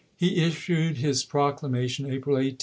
He issued his proclamation April chap.